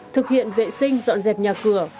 thực hiện vệ sinh dọn dẹp nhà cửa